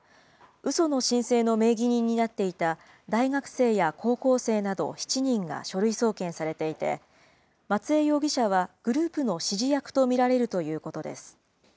うその申請の名義人になっていた大学生や高校生など７人が書類送検されていて、松江容疑者はグループの指示役と見られるということです。